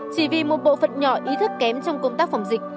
chỉ vì một bộ phận nhỏ ý thức kém trong công tác phòng dịch